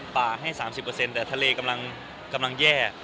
ให้๓๐แต่ทะเลกำลังแย่